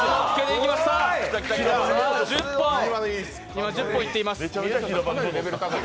今、１０本いっています。